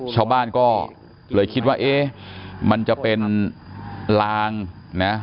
ชาวบ้านก็เลยคิดว่าเอ๊ะมันจะเป็นลางนะ